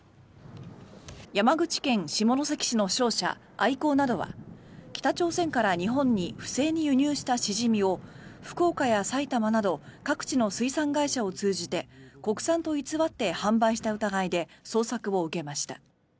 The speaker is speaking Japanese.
山口県下関市の商社アイコーなどは北朝鮮から日本に不正に輸入したシジミを福岡や埼玉など各地の水産会社を通じて国産と偽って販売した疑いで捜索を受けました。